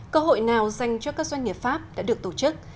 cơ hội nào dành cho các doanh nghiệp pháp đã được tổ chức